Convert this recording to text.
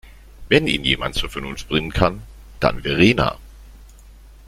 Wenn ihn jemand zur Vernunft bringen kann, dann Verena.